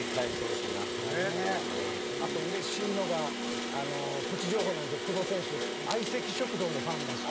あとうれしいのがプチ情報なんですけど久保選手『相席食堂』のファンらしくて。